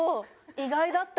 意外だった！